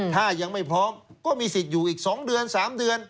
ถ้ายังไม่พร้อมก็มีสิทธิ์อยู่อีก๒เดือน๓เดือน